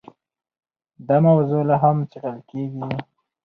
دا موضوع لا هم څېړل کېږي.